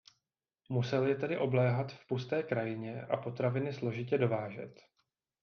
Musel je tedy obléhat v pusté krajině a potraviny složitě dovážet.